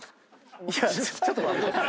ちょっと待って。